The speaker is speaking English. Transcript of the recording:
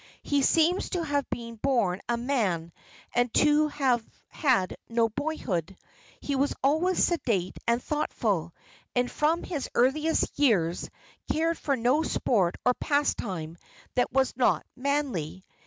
He seems to have been born a man and to have had no boyhood. He was always sedate and thoughtful, and from his earliest years cared for no sport or pastime that was not manly.